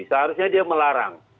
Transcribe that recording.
seharusnya dia melarang